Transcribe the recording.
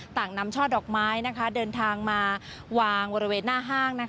ต่างนำช่อดอกไม้เดินทางมาวางบริเวณหน้าห้าง